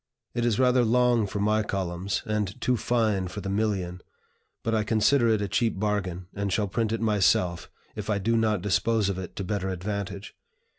It is rather long for my columns, and too fine for the million; but I consider it a cheap bargain, and shall print it myself, if I do not dispose of it to better advantage.